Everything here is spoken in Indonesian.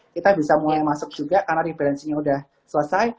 kita bisa mulai masuk juga karena referensinya sudah selesai